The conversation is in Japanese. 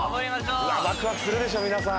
ワクワクするでしょ皆さん。